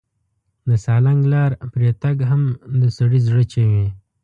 د سالنګ لار پرې تګ هم د سړي زړه چوي.